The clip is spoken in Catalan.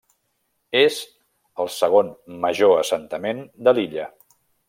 És el segon major assentament de l'illa.